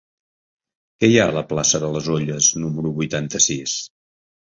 Què hi ha a la plaça de les Olles número vuitanta-sis?